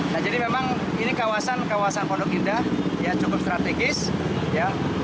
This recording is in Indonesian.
nah jadi memang ini kawasan kawasan pondok indah ya cukup strategis ya